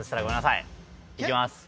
いきます